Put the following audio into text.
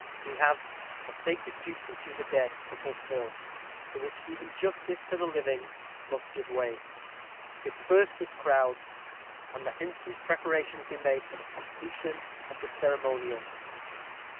We have a sacred duty to the dead to fulfil, to which even justice to the living must give way. Disperse this crowd, and let instant preparations be made for the completion of the ceremonial.